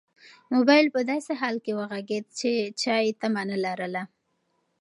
موبایل په داسې حال کې وغږېد چې چا یې تمه نه لرله.